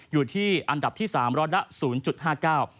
อยู่ที่อันดับที่๓รอดละ๐๕๙